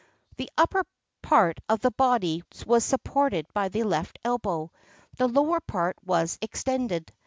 The upper part of the body was supported by the left elbow; the lower part was extended.